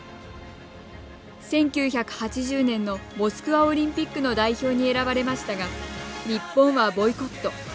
１９８０年のモスクワオリンピックの代表に選ばれましたが日本はボイコット。